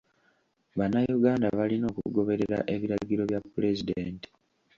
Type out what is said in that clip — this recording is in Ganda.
Bannayuganda balina okugoberera ebiragiro bya pulezidenti.